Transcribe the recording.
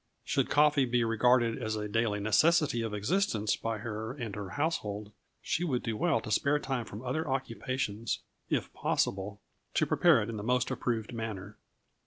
Should coffee be regarded as a daily necessity of existence by her and her household, she would do well to spare time from other occupations (if possible) to prepare it in the most approved manner.